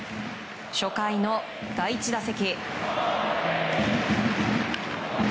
初回の第１打席。